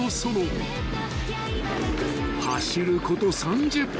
［走ること３０分］